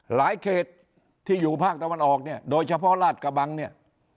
เขตที่อยู่ภาคตะวันออกเนี่ยโดยเฉพาะลาดกระบังเนี่ย